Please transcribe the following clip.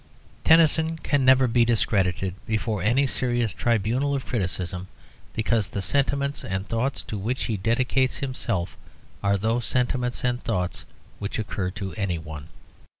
Tennyson can never be discredited before any serious tribunal of criticism because the sentiments and thoughts to which he dedicates himself are those sentiments and thoughts which occur to anyone.